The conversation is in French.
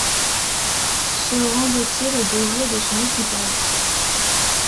se rendrait-il aux désirs de son équipage ?…